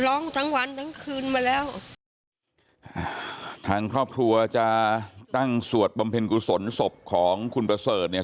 ร้องทั้งวันทั้งคืนมาแล้วอ่าทางครอบครัวจะตั้งสวดบำเพ็ญกุศลศพของคุณประเสริฐเนี่ย